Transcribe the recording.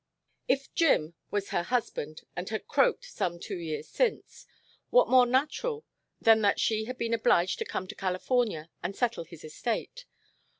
If "Jim" was her husband and had "croaked" some two years since, what more natural than that she had been obliged to come to California and settle his estate?